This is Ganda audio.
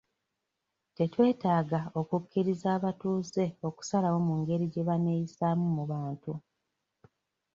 Tetwetaaga okukkiriza abatuuze okusalawo ku ngeri gye baneeyisaamu mu bantu.